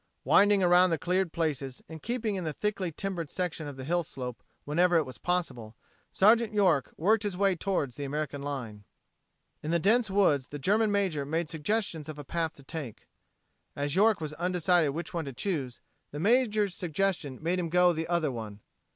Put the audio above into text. Winding around the cleared places and keeping in the thickly timbered section of the hillslope whenever it was possible, Sergeant York worked his way toward the American line. In the dense woods the German major made suggestions of a path to take. As York was undecided which one to choose, the major's suggestion made him go the other one.